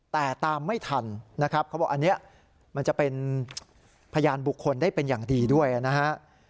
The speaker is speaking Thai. แต่ตามไม่ทันนะครับเขาบอกอันนี้มันจะเป็นพยานบุคคลได้เป็นอย่างดีด้วยนะฮะ